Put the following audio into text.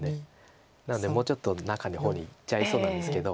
なのでもうちょっと中の方にいっちゃいそうなんですけど。